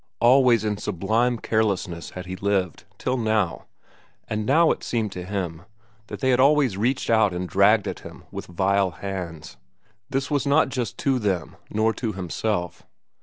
Always in sublime carelessness had he lived, till now, and now it seemed to him that they had always reached out and dragged at him with vile hands. This was not just to them, nor to himself.